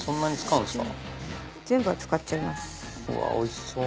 うわおいしそう。